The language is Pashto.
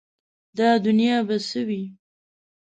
دا دنیا به څه وي ؟